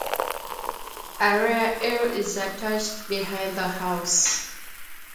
A rear ell is attached behind the house.